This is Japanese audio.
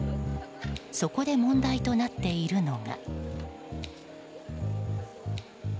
そこで問題となっているのが。